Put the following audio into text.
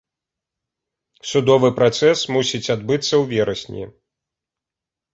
Судовы працэс мусіць адбыцца ў верасні.